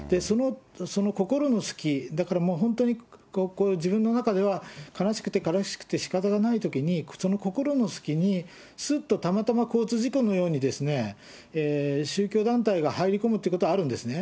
その心の隙、だからもう、本当に自分の中では、悲しくて悲しくてしかたがないときに、その心の隙に、すっとたまたま交通事故のように、宗教団体が入り込むということはあるんですね。